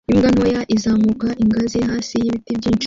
Imbwa ntoya izamuka ingazi hafi y'ibiti byinshi